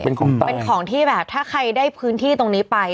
เป็นของเป็นของที่แบบถ้าใครได้พื้นที่ตรงนี้ไป